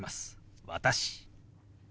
「私」。